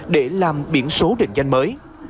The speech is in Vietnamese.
để làm biển số định danh mới